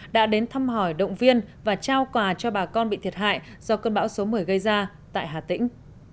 đã đến thăm hỏi động viên và trao quà cho bà con bị thiệt hại do cơn bão số một mươi gây ra tại hà tĩnh